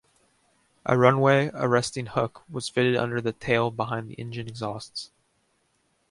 A runway arresting hook was fitted under the tail behind the engine exhausts.